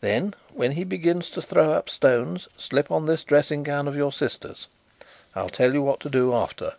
Then when he begins to throw up stones slip on this dressing gown of your sister's. I'll tell you what to do after."